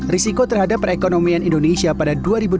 risiko terhadap perekonomian indonesia pada dua ribu dua puluh